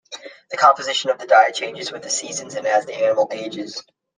The composition of the diet changes with the seasons and as the animal ages.